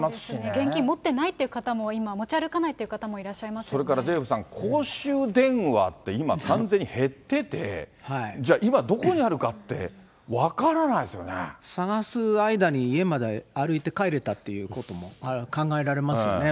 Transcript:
現金持ってないという方も、今、持ち歩かないという方も、いそれからデーブさん、公衆電話って今、完全に減ってて、今、どこにあるかって、分からないで探す間に家まで歩いて帰れたっていうことも考えられますよね。